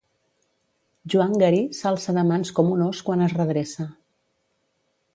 Joan Garí s’alça de mans com un ós quan es redreça.